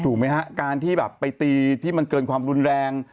ถูกไหมฮะการที่แบบไปตีที่มันเกินความรุนแรง